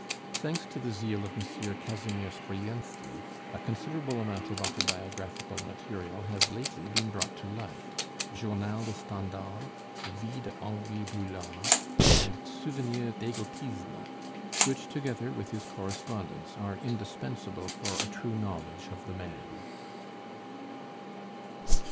Thanks to the zeal of M. Casimir Stryienski, a considerable amount of autobiographical material has lately been brought to light: 'Journal de Stendhal' 'Vie de Henri Broulard,' and 'Souvenirs d'Égotisme,' which, together with his 'Correspondence,' are indispensable for a true knowledge of the man.